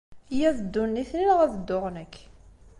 Ya ad ddun nitni neɣ ad dduɣ nekk!